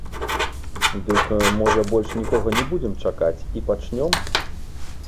Дык, можа, больш нікога не будзем чакаць і пачнём?